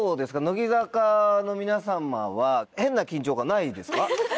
乃木坂の皆さまは変な緊張感ないですか？